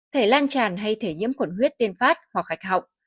thể lan tràn hay thể nhiễm khuẩn huyết tiên phát hoặc hạch họng